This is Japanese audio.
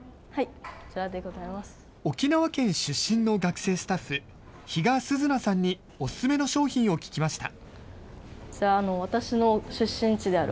沖縄県出身の学生スタッフ、比嘉涼夏さんにお勧めの商品を聞きました。